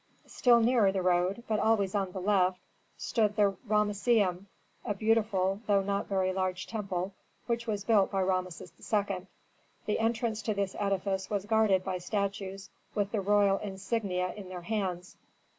Still nearer the road, but always on the left, stood the Ramesseum, a beautiful though not very large temple which was built by Rameses II. The entrance to this edifice was guarded by statues with the royal insignia in their hands.